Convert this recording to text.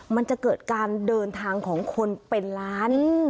มันจะเกิดการเดินทางของคนเป็นล้าน